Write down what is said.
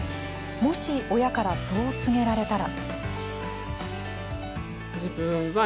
もし親からそう告げられたら。